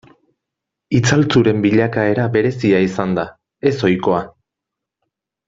Itzaltzuren bilakaera berezia izan da, ez ohikoa.